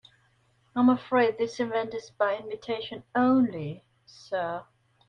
I'm afraid this event is by invitation only, sir.